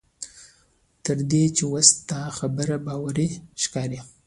تر دې چې اوس دا خبره باوري ښکاري.